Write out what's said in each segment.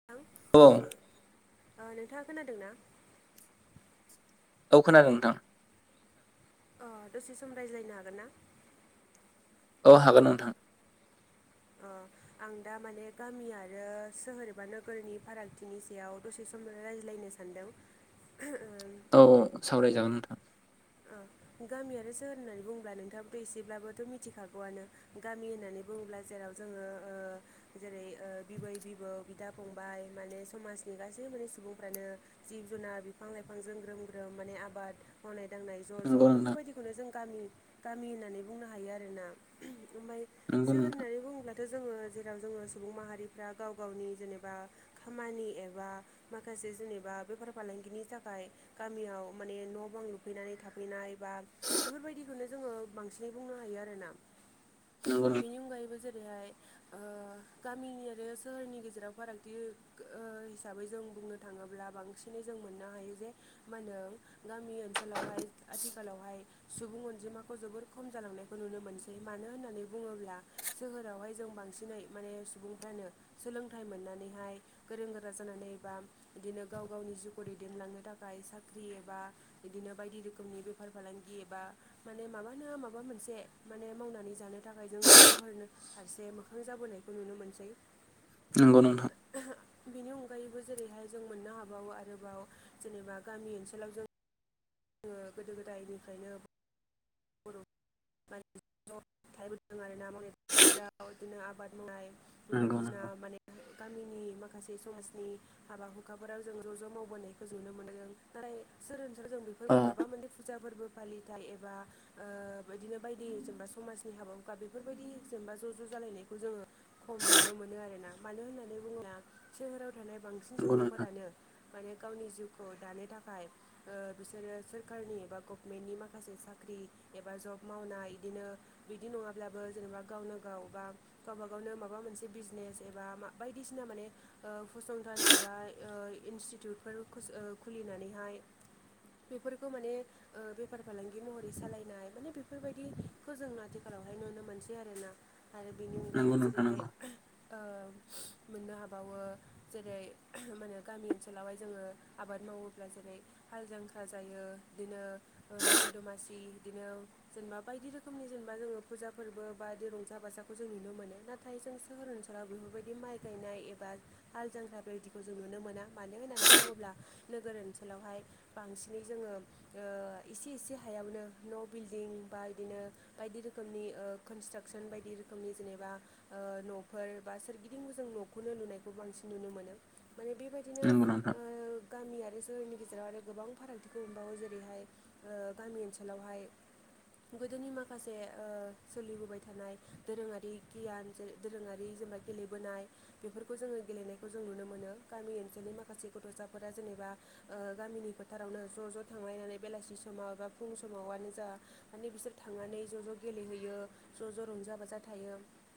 [unintelligible] [unintelligible] नोंथाङा खोनादों ना? औ खोनादों नोंथां। अ दसे सम रायज्लायनो हागोन ना? औ हागोन नोंथां। अ आं दा माने गामि आरो सोहोर एबा नोगोरनि फारागथिनि सायाव दसे सम रायज्लायनोसै। सान्दों ओ-' औ सावरायजागोन नोंथां ओ गामि आरो सोहोर होननानै बुंङोब्ला नोंथाङाबोथ' एसेब्लाबोथ' मिथिखागौ आनो। गामि होननानै बुङोब्ला जेराव जोङो ओ जेरै ओ बिबै बिबौ बिदा फंबाय माने समाजनि गासै माने सुबुंफ्रानो जिब जुनार बिफां लाइफांजों ग्रोम ग्रोम माने आबाद मावनाय दांनाय ज' ज' बेफोरबायदिखौनो जों गामि गामि होननानै बुंनो हायो आरोना ओमफ्राय नंगौ सोहोर नोंथां होननानै बुङोब्लाथ' जोङो जेराव जोङो सुबुं माहारिफ्रा गाव गावनि जेनेबा खामानि एबा माखासे जेनेबा बेफार फालांगिनि थाखाय गामियाव माने न' बां लु फैनानै थाफैनाय बा बेफोर बायदिखौनो जोङो बांसिनै बुंनो हायो आरोना। नंगौ बेनि नोंथां अनगायैबो जेरैहाय ओ गामिनि आरो सोहोरनि गेजेराव फारागथि हिसाबै जों बुंनो थाङोब्ला बांसिनै जों मोननो हायो जे मा होनदों गामि ओनसोलाववहाय आथिखालावहाय सुबुं अनजिमाखौ जोबोर खम जालांनायखौ नुनो मोनसै मानो होननानै बुङोब्ला सोहोरावहाय जों बांसिनै माने सुबुंफ्रानो सोलोंथाइ मोननानैहाय गोरों गोरा जानानै एबा बिदिनो गाव गावनि जिउखौ दैदेनलांनो थाखाय साख्रि एबा बिदिनो बायदि रोखोमनि बेफार फालांगि एबा माने माबानो माबा मोनसे माने मावनानै जानो थाखाय जोङो सोहोर फारसे मोखां जाबोनाय खौ नुनो मोनसै। नंगौ नोंथां। ओहो बिनि अनगायैबो जेरैहाय जों मोननो हाबावो आरोबाव जेनेबा गामि ओनसोलाव जों ङो गोदो गोदायनिफ्रायनो बर' [unintelligible] फायबोदों आर ना मावनाय दांनायफ्राव बिदिनो आबाद मावनाय नंगौ बायदिसिना नोंथां माने गामिनि माखासे समाजनि हाबा हुखाफोराव जों ज' ज' मावबोनायखौ नुनो मोन्दों नाथाय सोर न सोर जों बेफोरनि माबा मोन फुजा फोरबो फालिथाय एबा ओ बिदिनो बायदि जेनेबा समाजनि हाबा हुखा बेफोरबायदि जेनेबा ज' ज' जालायनायखौ जोङो खम नुनो मोनो आरोना मानो होननानै बुङोबा सोहोराव थानाय बांसिन सुबुंफोरानो माने गावनि जिउखौ दानो थाखाय ओ बिसोरो सोरखारनि एबा गभनमेन्टनि माखासे साख्रि एबा जब मावनाय इदिनो बिदि नङाब्लाबो जेनेबा गावनो गाव बा गावबा गावनो माबा मोनसे बिजनेस एबा मा बायदिसिना माने ओ फसंथान एबा ओ इनस्टिटिउटफोर खुस ओ खुलिनानैहाय बेफोरखौ माने ओ बेफार फालांगि महरै सालायनाय माने बेफोरबायदिखौ जों आथिखालावहाय नुनो मोनसै आरोना‌। आरो बेनि नंगौ अनगायैबो नंगौ औ नंगौ नोंथां जेरैहाय ओ मोननो हाबावो जेरै मा नो गामि ओनसोलावहाय जोङो आबाद मावोब्ला जेरै हाल जां आ जायो बिदिनो मागो दमासि इदिनो जेनेबा बायदि रोखोमनि जेनेबा जोङो फुजा फोरबो बा दि रंजा बाखौ जों नुनो मोनो नाथ थाय जों सोहोर ओनसोलाव बेफोरबायदि माइ गायनाय एबा हाल जांख्रा बेदिखौ जों नुनो मोना मानो होननानै बुङोब्ला नोगोर ओनसोलावहाय बांसिनै जोङो ओ एसे एसे हायावनो न' बिल्डिं बा इदिनो बायदि रोखोमनि ओ कनस्ट्राकसन बायदि रोखोमनि जेनेबा ओ न'फोर बा सोरगिदिंबो जों न'खौनो नुनायखौ बांसिन नुनो मोनो माने बेबाय दिनो नंगौ नोंथां ओ गामि आरो सोहोरनि गेजेराव आरो गोबां फारागथिखौ मोनबावो जेरैहाय ओ गामि ओनसोलावहाय गोदोनि माखासे ओ सोलिबोबाय थानाय दोरोङारि गियान जेर दोरोङारि जेनेबा गेलेबोनाय बेफोरखौ जोङो गेलेनायखौ जों नुनो मोनो गामि ओनसोलनि माखासे गथ'साफोरा जेनेबा ओ गामिनि फोथारावनो ज' ज' थांलायनानै बेलासि समाव एबा फुं समावनो जा माने बिसोर थांनानै ज' ज' गेलेहैयो ज' ज' रंजा बाजा थायो।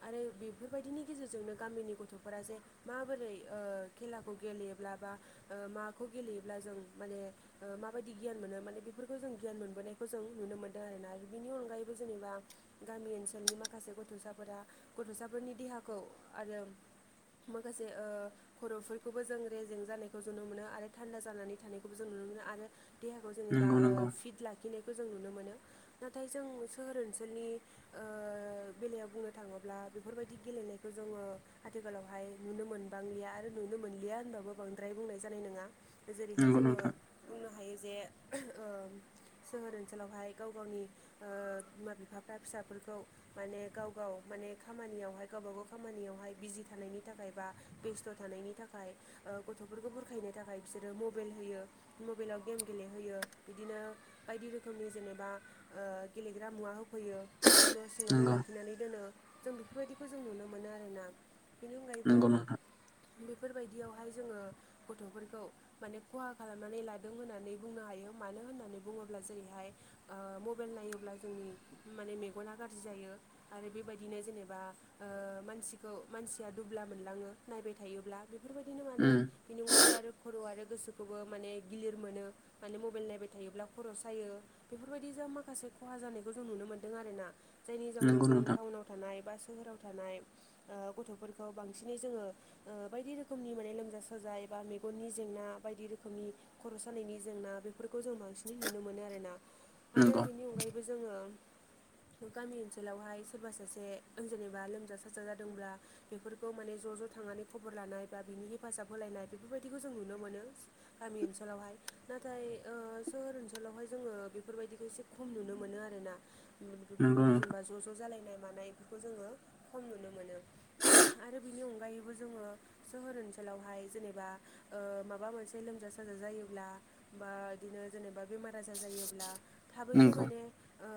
आरो बेफोरबादिनि गेजेरजोंनो गामिनि गथ'फोरा जे माबोरै ओ खेलाखौ गेलेयोब्ला बा ओ माखौ गेलेयोब्ला जों माने ओ माबायदि गियान मोनो माने बेफोरखौ जों गियान मोनबोनायखौ जों नुनो मोनदों आरोना बिनि अनगायैबो जेनेबा गामि ओनसोलनि माखासे गथ'साफोरा गथ'साफोरनि देहाखौ आरो माखासे ओ खर'फोरखौबो जों रेजें जानायखौ जु ननो मोनो आरो थान्दा जानानै थानायखौबो जों नुनो मोनो आरो देहाखौ जेनेबा नंगौ ओ फिट लाखिनायखौ जों नुनो मोनो। नाथाय जों सोहोर ओनसोलनि ओ बेलायाव बुंनो थाङोब्ला बेफोरबायदि गेलेनायखौ जोङो आथिखालावहाय नुनो मोनबांलिया आरो नुनो मोनलिया होनबाबो बांद्राय बुंनाय जानाय नङा दा जेरैहाय नंगौ जोङो नोंथां बुंनो हायो जे ओह ओ सोहोर ओनसोलावहाय गाव गावनि ओ बिमा बिफाफ्रा फिसाफोरखौ माने गाव गाव माने खामानियावहाय गावब गाव खामानियावहाय बिजि थानायनि थाखाय बा बेस्थ' थानायनि थाखाय गथ'फोरखौ बुरखायनो थाखाय बिसोरो मबाइल होयो मबेलाव गेम गेलेहोयो बिदिनो बायदि रोखोमनि जेनेबा ओ गेलेग्रा मुवा होफैयो आरो न' सिङावनो नंगौ लाखिनानै दोनो जों बेफोरबायदिखौ जों नुनो मोनो आरोना। बेनि अनगायैबो नंगौ नंगौ नोंथां नंगौ नोंथां बेफोरबायदियावहाय जोङो गथ'फोरखौ माने खहा खालाम माने लादों होननानै बुंनो हायो मानो होननानै बुङोब्ला जेरैहाय ओ मबाइल नायोब्ला जोंनि माने मेगना गाज्रि जायो। आरो बेबायदिनो जेनेबा ओ मानसिखौ मानसिया दुब्ला मोनलाङो नायबाय थायोब्ला बेफोरबायदिनो आरो उम बेनि अनगायैबो आरो खर' आरो गोसोखौबो माने गिलिर मोनो माने मबाइल नायबाय थायोब्ला खर' सायो। बेफोरबायदि जा माखासे खहा जानायखौ जों नुनो मोन्दों आरोना जायनि जाउनाव नंगौ जों नोंथां टाउनाव थानाय बा सोहोराव थानाय ओ गथ'फोरखौ बांसिनै जोङो ओ बायदि रोखोमनि माने लोमजा साजाय बा मेगननि जेंना बायदि रोखोम रोखोमनि खर' सानायनि जेंना बेफोरखौ जों बांसिनै नुनो मोनो आरोना आरो नंगौ बेनि अनगायै बो जोङो गामि ओनसोलावहाय सोरबा सासे जेनेबा लोमजा साजा जादोंब्ला बेफोरखौ माने ज' ज' थांनानै खबर लानाय बा बिनि हेफाजाब होलायनाय बेफोरबायदिखौ जों नुनो मोनो गामि ओनसोलावहाय। नाथाय ओ सोहोर ओनसोलावहाय जोङो बेफोरबायदिखौ एसे खम नुनो मोनो आरोना। नंगौ बेफोरबायदि नोंथां जेनेबा ज' ज' जालायनाय मानायफोरखौ जोङो खम नुनो मोनो। आरो बिनि अनगायैबो जोङो सोहोर ओनसोलावहाय जेनेबा ओ माबा मोनसे लोमजा साजा जायोब्ला बा बिदिनो जेनेबा बेमार आजार जायोब्ला थाबैनो नंगौ माने ओ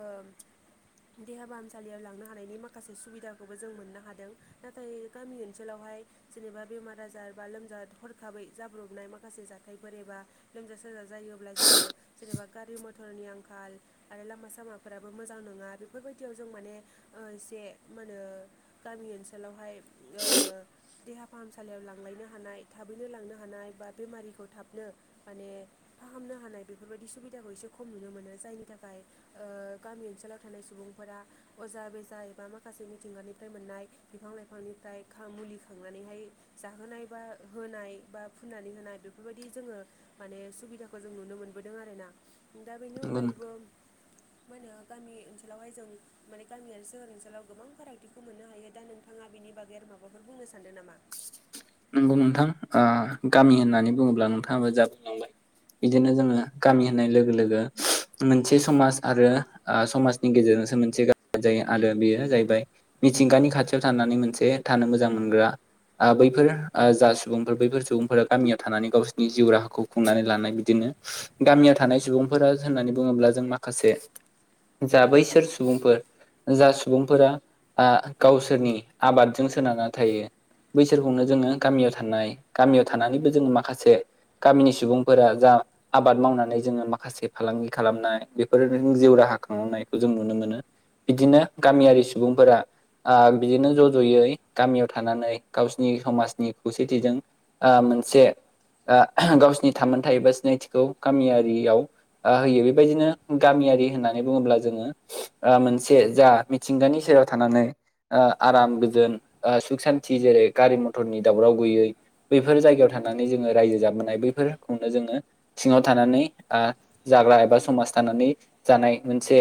देहा फाहामसालियाव लांनो हानायनि माखासे सुबिदाखौबो जों मोननो हादों नाथाय गामि ओनसोलावहाय जेनेबा बेमार आजार बा लोमजा हरखाबै जाब्रबनाय माखा माखासे जाथायफोर एबा लोमजा साजा जायोब्ला जोङो जेनेबा गारि मथरनि आंखाल आरो लामा सामाफोराबो मोजां नङा बेफोरबायदियाव जों माने एसे मा होनो गामि ओनसोलावहाय ओ देहा फाहामसालियाव लांलायनो हानाय थाबैनो लांनो हानाय बा बेमारिखौ थाबनो माने फाहामनो हानाय बेफोरबायदि सुबिदाखौ एसे खम नुनो मोनो जायनि थाखाय ओ गामि ओनसोलाव थानाय सुबुंफोरा अजा बेजा एबा माखासे मिथिंगानिफ्राय मोननाय बिफां लाइफांनिफ्राय मुलि खांनानैहाय जाहोनाय बा होनाय बा फुननानै होनाय बेफोरबायदि जोङो माने सुबिदाखौ जों नुनो मोनबोदों आरोना। दा बेनि नंगौ नोंथां अनगायैबो मा होनो गामि ओनसोलावहाय जों माने गामि आरो सोहोर ओनसोलाव गोबां फारागथिखौ मोननो हायो दा नोंथां नोंथाङा बिनि बागै आरो माबाफोर बुंनो सान्दों नामा? नंगौ नोंथां ओ गामि होननानै बुङोब्ला नोंथाङाबो जा बुंलांबाय बिदिनो जोङो गामि होननाय लोगो लोगो मोनसे समाज आरो आ समाजनि गेजेरजोंसो मोनसे गामि जायो आरो बेयो जाहैबाय मिथिंगानि खाथियाव थानानै मोनसे थानो मोजां मोनग्रा आ बै बेफोर आ जा सुबुंफोर बैफोर सुबुंफोरा गामियाव थानानै गावसोरनि जिउ राहाखौ खुंनानै लानानै बिदिनो गामियाव थानाय सुबुंफोरा होननानै बुङोब्ला जों माखासे जा बैसोर सुबुंफोर जा सुबुंफोरा आ गावसोरनि आबादजों सोनारना थायो बिसोरखौनो जोङो गामियाव थानाय गामियाव थानानैबो जोङो माखासे गामिनि सुबुंफोरा जा आबाद मावनानै जोङो माखासे फालांगि खालामनाय बे फोर जिउ राहा खांनांनायखौ जों नुनो मोनो बिदिनो गामियारि सुबुं सुबुंफोरा आ बिदिनो ज' ज'यै गामियाव थानानै गावसिनि समाजनि खौसेथिजों आ मोनसे आ गावसिनि थामोनथाय बा सिनायथिखौ गामियारियाव ओ होयो बेबायदिनो गामियारि होननानै बुङोब्ला जोङो ओ मोनसे जा मिथिंगानि सेराव थानानै ओ आराम गोजोन ओ सुख सान्थि जेरै गारि मथरनि दावराव गैयै बैफोर जायगायाव थानानै जोङो रायजो जाबोनाय बैफोर खौनो जोङो सिङाव थानानै ओ जाग्रा एबा समाज थानानै जानाय मोनसे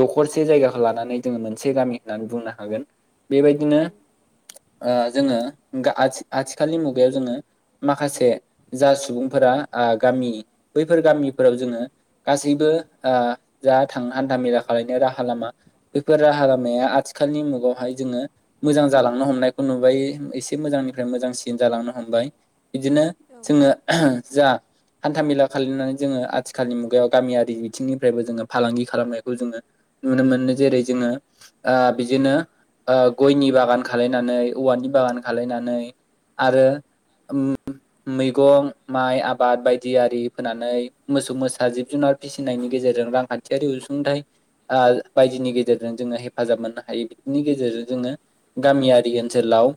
दखरसे जायगाखौ लानानै जोङो मोनसे गामि होननानै बुंनो हागोन बेबायदिनो ओ जोङो आथि आथिखालनि मुगायाव जोङो माखासे जा सुबुंफोरा गामि बैफोर गामिफोराव जोङो गासैबो ओ जा थां हान्थाामेला खालनो राहा लामा बेफोर राहा लामाया आथिखालनि मुगायावहाय जोङो मोजां जालांनो हमनाय नुबाय एसे मोजांनिफ्राय मोजांसिन जालांनो हमबाय बिदिनो जोङो जा हान्था मेला खानानै जोङो आथिखालनि मुगायाव गामियारि बिथिंनिफ्रायबो जोङो फालांगि खालामनायखौ जोङो नुनो मोनो जेरै जोङो बिदिनो गयनि बागान खालामलनानै औवानि बागान खालामलनानै आरो मैगं माइ आबाद बायदि आरि फोनानै मोसौ मोसा जिब जुनार फिसिनायनि गेजेरजों रांखान्थियारि अनसुंथाइ ओ बायदिनि गेजेरजों जोङो हेफाजाब मोननो हायो बिनि गेजेरजों जोङो गामियारि होन आव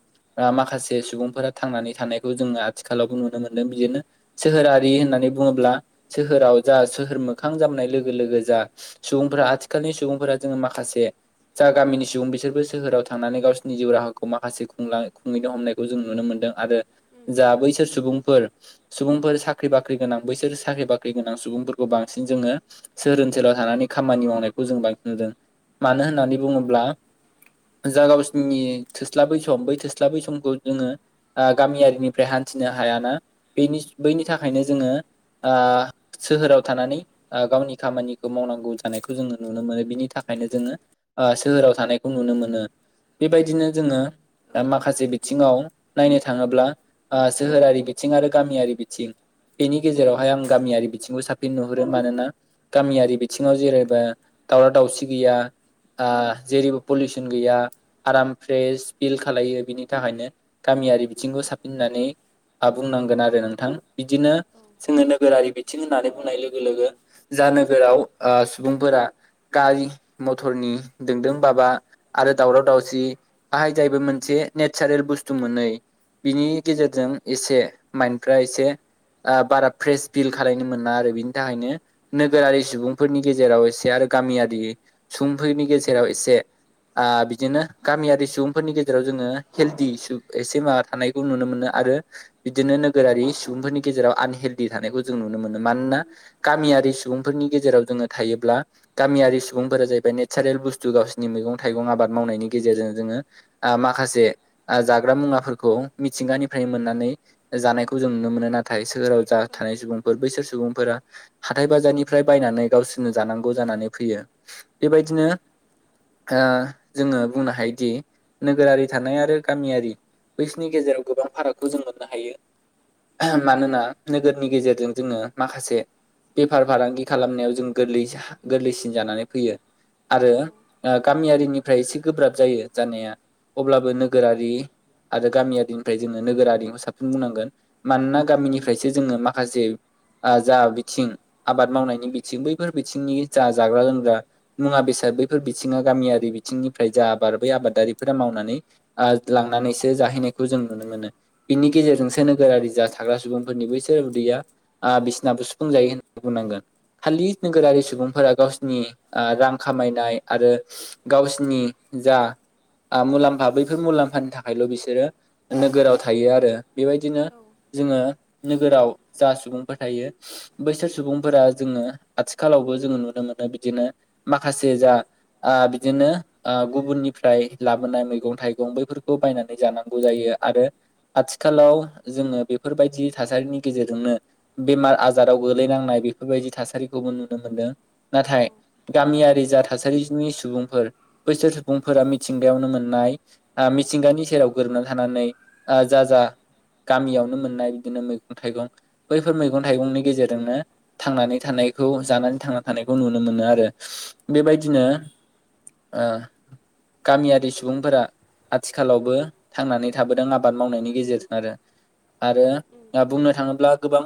माखासे सुबुंफोरा थांनानै थानायखौ जोङो आथिखालावबो नुनो मोनदों बिदिनो सोहोरारि होननानै बुङोब्ला सोहोराव जा सोहोर मोखां जामनाय लोगो लोगो जा सुबुंफोरा आथिखालनि सुबुंफोरा जोङो माखासे जा गामिनि सुबुं बिसोरबो सोहोराव थांनानै गावसिनि जिउ राहाखौ माखासे खुंला खुंहैनो हमनायखौ जों नुनो मोनदों आरो जा बैसोर सुबुंफोर सुबुंफोर साख्रि बाख्रि गोनां बैसोर साख्रि बाख्रि गोनां सुबुंफोरखौ बांसिन जोङो सोहोर ओनसोलाव थानानै खामानि मावनायखौ जों बांसिन नुदों मानो होननानै बुङोब्ला जा गावसिनि थोस्ला बै सम बै थोस्ला बै समखौ जोङो गामियारिनिफ्राय हान्थिनो हायाना बेनि बैनि थाखायनो जोङो आ सोहोराव थानानै गावनि खामानिखौ मावनांगौ जानायखौ जोङो नुनो मोनो बिनि थाखायनो जोङो ओ सोहोराव थानायखौ नुनो मोनो बेबायदिनो जोङो माखासे बिथिङाव नायनो थाङोब्ला सोहोरारि बिथिं आरो गामियारि बिथिं बेनि गेजेरावहाय आं गामियारि बिथिंखौ साबसिन नुहुरो मानोना गामियारि बिथिङाव जेरैबो दावराव दावसि गैया ओ जेरैबो पलुसन गैया आराम फ्रेस फिल खालायो बिनि थाखायनो गामियारि बिथिंखौ साबसि होननानै आ बुंनांगोन आरो नोंथां बिदिनो जोङो नोगोरारि बिथिं होननानै बुंनाय लोगो लोगो जा नोगोराव सुबुंफोरा गारि मथरनि दों दों बा बा आरो दावराव दावसि आहाय जाहैबाय मोनसे नेसारेल बुस्थु मोनै बिनि गेजेरजों एसे माइन्फ्रा एसे ओ बारा फ्रेस फिल खालायनो मोना आरो बिनि थाखायनो नोगोरारि सुबुं फोरनि गेजेराव एसे आरो गामियारि सुबुंफोरनि गेजेराव एसे आ बिदिनो गामियारि सुबुंफोरनि गेजेराव जोङो हेल्डि एसे माबा थानायखौ नुनो मोनो आरो बिदिनो नोगोरारि सुबुंफोरनि गेजेराव आनहेलडि थानायखौ जों नुनो मोनो मानोना गामियारि सुबुंफोरनि गेजेराव जोङो थायोब्ला गामियारि सुबुंफोरा जाहैबाय नेचारेल बुस्थु गावसिनि मैगं थाइगं आबाद मावनायनि गेजेरजों जोङो आ माखासे जाग्रा मुवाफोरखौ मिथिंगानिफ्राय मोननानै जानायखौ जों नुनो मोनो नाथाय सोहोराव जा थानाय सुबुंफोर बैसोर सुबुंफोरा हाथाइ बाजारनिफ्राय बायनानै गावसोरनो जानांगौ जानानै फैयो बेबायदिनो आ जोङो बुंनो हायोदि नोगोरारि थानाय आरो गामियारि बैस्निनि गेजेराव गोबां फारागखौ जों मोननो हायो [unintelligible] मानोना नोगोरनि गेजेरजों जोङो माखासे बेफार फालांगि खालामनायाव जों गोरलै हा गोरलैसिन जानानै फैयो आरो गामियारिनिफ्राय एसे गोब्राब जायो जानाया अब्लाबो नोगोरारि आरो गामियारिनिफ्राय जोङो नोगोरारिखौ साबसिन बुंनांगोन मानोना गामिनिफ्रायसो जोङो माखा हासै जा बिथिं आबाद मावनायनि बिथिं बैफोर बिथिंनि जा जाग्रा लोंग्रा मुवा बेसाद बैफोर बिथिङा गामियारि बिथिंनिफ्राय जा आबाद बै आबादारि फोरा मावनानै आ लांनानैसो जाहैनायखौ जों नुनो मोनो बिनि गेजेरजोंसो नो गोरारि जा थाग्रा सुबुंफोरनि बैसोर उदैया आ बिसनाबो सुफुंजायो [unintelligible] बुंनांगोन खालि नोगोरारि सुबुंफोरा गावस्नि आ रां खामायनाय आरो [unintelligible] गावसिनि जा आ मुलाम्फा बैफोर मुलाम्फानि थाखायल' बिसोरो नोगोराव थायो आरो बेबायदिनो जोङो नोगोराव जा सुबुंफोर थायो बैसोर सुबुंफोरा जोङो आथिखालावबो जोङो नुनो मोनो बिदिनो माखासे जा आ बिदिनो आ गुबुननिफ्राय लाबोनाय मैगं थाइगं बैफोरखौ बायनानै जानांगौ जायो आरो आथिखालाव जोङो बेफोरबायदि थासारिनि गेजेरजोंनो बेमार आजाराव गोलैनांनाय बेफोरबायदि थासारिखौबो नुनो मोन्दों नाथाय गामियारि जा थासारिनि सुबुंफोर बैसोर सुबुंफोरा मि थिंगायावनो मोननाय आ मिथिंगानि सेराव गोरोना थानानै आ जा जा गामियावनो मोननाय बिदिनो मैगं थाइगं बैफोर मैगं थाइगंनि गेजेरजोंनो थांनानै थानायखौ जानानै थांनानै थानायखौ नुनो मोनो आरो बेबायदिनो आ गामियारि सुबुंफोरा आथिखालावबो थांनानै थाबोदों आबाद मावनायनि गेजेरजों आरो आरो बा बुंनो थाङोब्ला गोबां